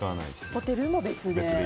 ホテルも別で。